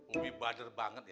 umi bader banget ya